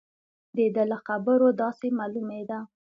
د ده له خبرو داسې معلومېده.